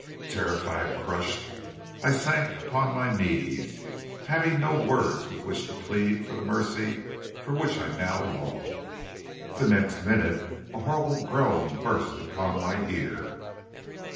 "Terrified, crushed, I sank upon my knees, having no words with which to plead for the mercy for which I now longed. The next minute a horrible groan burst upon my ear.